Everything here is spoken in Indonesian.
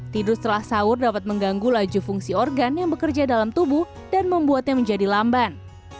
tidur setelah sahur dapat mengganggu laju fungsi organ yang bekerja dalam tubuh dan membuatnya menjadi lamban